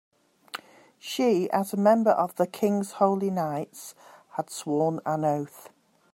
She, as a member of the king's holy knights, had sworn an oath.